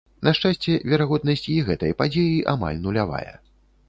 На шчасце, верагоднасць і гэтай падзеі амаль нулявая.